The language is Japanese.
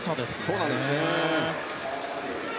そうなんですよね。